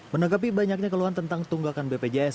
menanggapi banyaknya keluhan tentang tunggakan bpjs